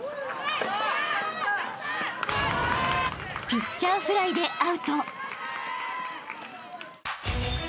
［ピッチャーフライでアウト］